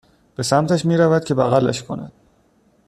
به سمتش میرود که بغلش کند